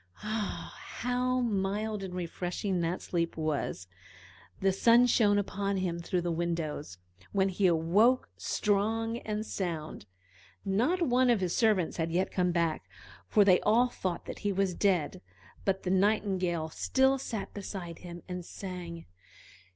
Ah! how mild and refreshing that sleep was! The sun shone upon him through the windows, when he awoke strong and sound. Not one of his servants had yet come back, for they all thought that he was dead; but the Nightingale still sat beside him and sang.